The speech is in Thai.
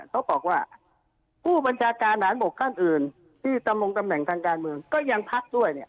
เขาบอกว่าผู้บัญชาการฐานบกท่านอื่นที่ตำรงตำแหน่งทางการเมืองก็ยังพักด้วยเนี่ย